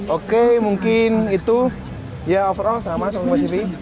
oke mungkin itu ya overall sama sambat kebasi v